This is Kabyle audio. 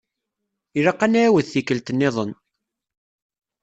Ilaq ad nɛiwed tikelt-nniḍen.